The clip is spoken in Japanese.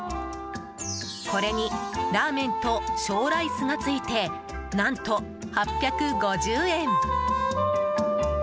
これにラーメンと小ライスがついて、何と８５０円。